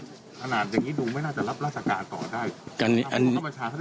ถ้านานอย่างนี้ดูไม่น่าจะรับราชการต่อได้